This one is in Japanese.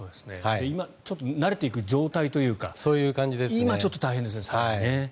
今慣れていく状態というか今、ちょっと大変ですね。